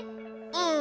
うん。